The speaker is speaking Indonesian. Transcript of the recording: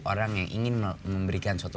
orang yang ingin memberikan suatu